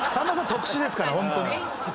特殊ですからホントに。